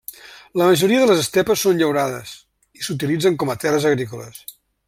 La majoria de les estepes són llaurades i s'utilitzen com a terres agrícoles.